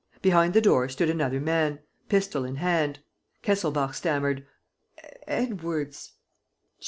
Behind the door stood another man, pistol in hand. Kesselbach stammered: "Edwards